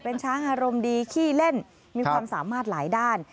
เป็นช้างอารมณ์ดีขี้เล่นมีความสามารถหลายด้าน